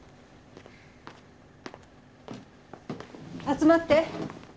集まって。